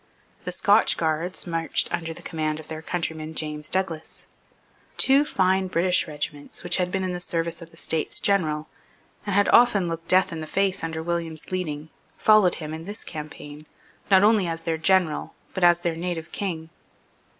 The Scotch Guards marched under the command of their countryman James Douglas. Two fine British regiments, which had been in the service of the States General, and had often looked death in the face under William's leading, followed him in this campaign, not only as their general, but as their native King.